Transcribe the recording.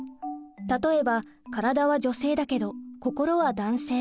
例えば体は女性だけど心は男性。